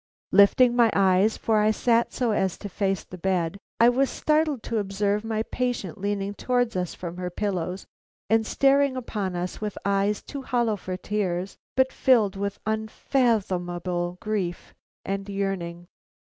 Lifting my eyes, for I sat so as to face the bed, I was startled to observe my patient leaning towards us from her pillows, and staring upon us with eyes too hollow for tears but filled with unfathomable grief and yearning.